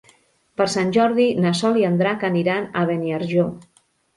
Per Sant Jordi na Sol i en Drac aniran a Beniarjó.